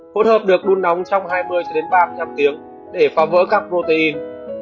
hỗn hợp được đun nóng trong hai mươi ba mươi năm tiếng để phá vỡ các protein